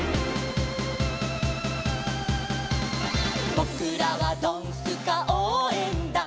「ぼくらはドンスカおうえんだん」